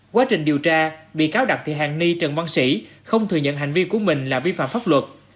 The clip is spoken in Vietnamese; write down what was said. quá trình điều tra bị cáo đặng thị hàng ni trần văn sĩ không thừa nhận hành vi của mình là vi phạm pháp luật